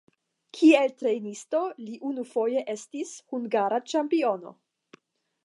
Kiel trejnisto li unufoje estis hungara ĉampiono.